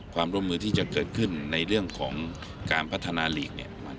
ความร่วมมือที่จะเกิดขึ้นในเรื่องของการพัฒนาลีกเนี่ย